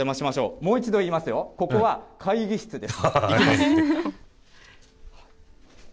もう一度言いますよ、ここは会議室です。